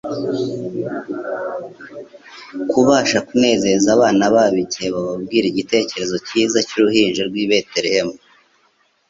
kubasha kunezeza abana babo igihe bababwira igitekerezo cyiza cy'uruhinja rw'i Betelehemu,